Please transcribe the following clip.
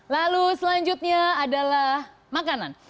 lalu selanjutnya adalah makanan